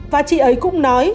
và chị ấy cũng nói